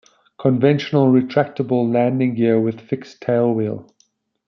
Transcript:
Conventional retractable landing gear with fixed tailwheel.